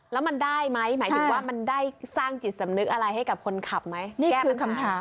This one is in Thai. แล้วมันได้ไหมหมายถึงว่ามันได้สร้างจิตสำนึกอะไรให้กับคนขับไหม